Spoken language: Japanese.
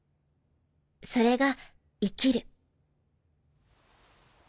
それが生きる。